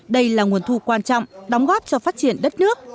đây là nguồn thu quan trọng đóng góp cho phát triển đất nước